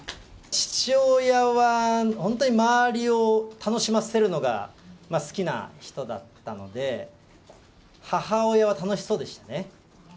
父親は本当に周りを楽しませるのが好きな人だったので、母親は楽しそうでしたね。